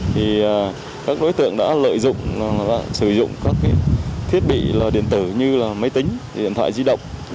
thì các đối tượng đã lợi dụng sử dụng các thiết bị điện tử như là máy tính điện thoại di động